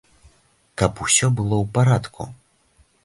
Каб усё было ў парадку.